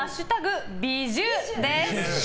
「＃びじゅ」です。